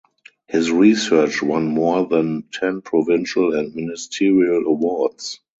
His research won more than ten provincial and ministerial awards.